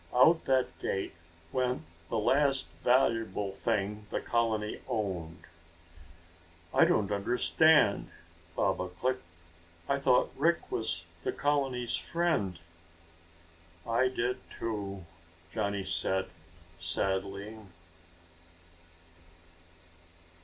Out that gate went the last valuable thing the colony owned! "I don't understand," Baba clicked. "I thought Rick was the colony's friend." "I did, too," Johnny said sadly.